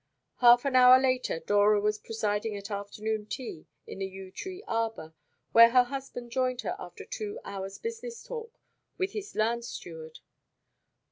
Half an hour later Dora was presiding at afternoon tea in the yew tree arbour, where her husband joined her after two hours' business talk with his land steward.